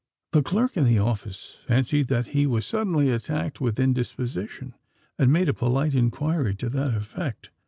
The clerk in the office fancied that he was suddenly attacked with indisposition, and made a polite inquiry to that effect.